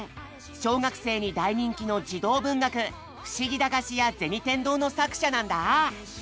小学生に大人気の児童文学「ふしぎ駄菓子屋銭天堂」の作者なんだ。